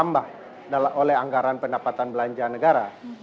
yang tidak diperlukan untuk ditambah oleh anggaran pendapatan belanja negara